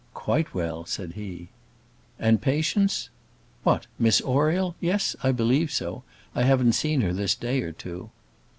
"Quite well," said he. "And Patience?" "What, Miss Oriel; yes, I believe so. I haven't seen her this day or two."